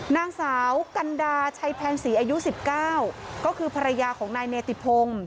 นางสาวกันดาชัยแพงศรีอายุ๑๙ก็คือภรรยาของนายเนติพงศ์